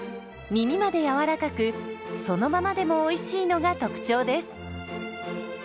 みみまでやわらかくそのままでもおいしいのが特徴です。